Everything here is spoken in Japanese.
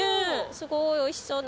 すごくおいしそうな。